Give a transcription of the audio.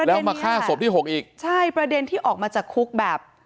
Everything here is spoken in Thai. แล้วมาฆ่าศพที่หกอีกใช่ประเด็นที่ออกมาจากคุกแบบ